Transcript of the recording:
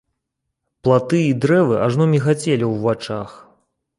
Платы і дрэвы ажно мігацелі ў вачах.